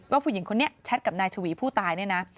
ผู้หญิงคนนี้แชทกับนายชวีผู้ตายเนี่ยนะ